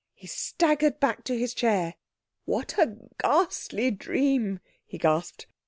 He staggered back to his chair. "What a ghastly dream!" he gasped.